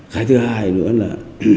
cái thứ hai nữa là